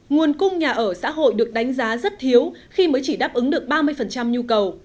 nguồn cung nhà ở xã hội được đánh giá rất thiếu khi mới chỉ đáp ứng được ba mươi nhu cầu